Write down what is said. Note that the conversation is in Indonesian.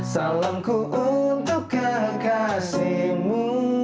salamku untuk kekasihmu